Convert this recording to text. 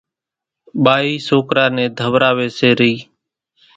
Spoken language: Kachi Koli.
ٻائِي سوڪرا نين ڌوراويَ سي رئِي۔